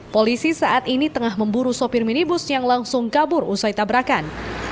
polisi saat ini tengah memburu sopir minibus yang langsung kabur usai tabrakan